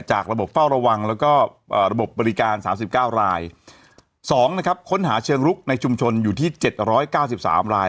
จากระบบเฝ้าระวังแล้วก็ระบบบริการ๓๙ราย๒นะครับค้นหาเชิงลุกในชุมชนอยู่ที่๗๙๓ราย